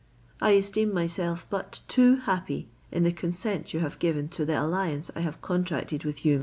I esteem myself but too happy in the consent you have given to the alliance I have contracted with you.